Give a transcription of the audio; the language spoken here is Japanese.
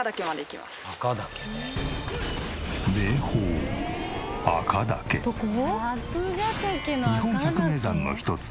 名峰日本百名山の一つ